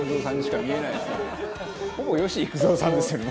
「ほぼ吉幾三さんですよね」